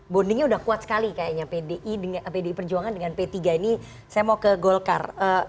bondingnya udah kuat sekali kayaknya pd i dengan pd perjuangan dengan p tiga ini saya mau ke golkar